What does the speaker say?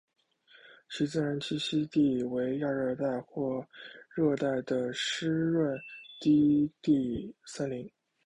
其自然栖息地为亚热带或热带的湿润低地森林。